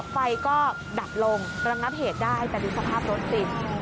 ไฟก็ดับลงระงับเหตุได้แต่ดูสภาพรถสิ